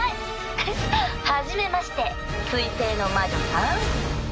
ふふっはじめまして水星の魔女さん。